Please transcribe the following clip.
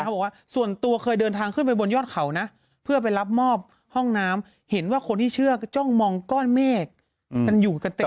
บอกว่าส่วนตัวเคยเดินทางขึ้นไปบนยอดเขานะเพื่อไปรับมอบห้องน้ำเห็นว่าคนที่เชื่อก็จ้องมองก้อนเมฆกันอยู่กันเต็ม